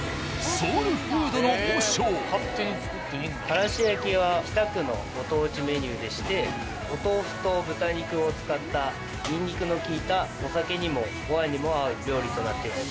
からし焼きは北区のご当地メニューでしてお豆腐と豚肉を使ったにんにくのきいたお酒にもご飯にも合う料理となっています。